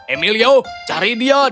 emilio cari dia dan siapkan dia